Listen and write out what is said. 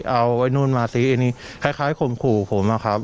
เอาไว้นู่นมาสิอันนี้คล้ายคล้ายข่มขู่ผมอ่ะครับ